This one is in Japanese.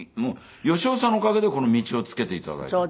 芳雄さんのおかげでこの道をつけて頂いた。